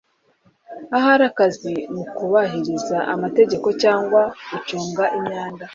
ahari akazi mukubahiriza amategeko cyangwa gucunga imyanda